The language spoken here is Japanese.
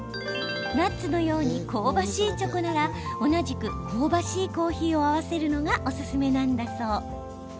ナッツのように香ばしいチョコなら同じく香ばしいコーヒーを合わせるのがおすすめなんだそう。